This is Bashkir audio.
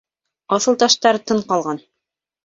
Аҫылташтар тын ҡалған.